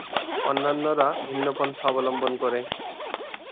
অন্যান্যরা ভিন্ন পন্থা অবলম্বন করে।